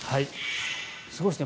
すごいですね